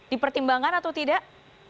dipertimbangkan atau tidak